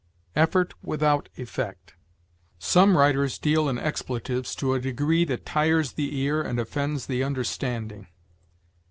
EFFORT WITHOUT EFFECT. "Some writers deal in expletives to a degree that tires the ear and offends the understanding.